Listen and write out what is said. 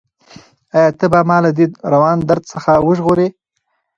ایا ته به ما له دې روان درد څخه وژغورې؟